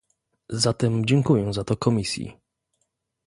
Zatem dziękuję za to Komisji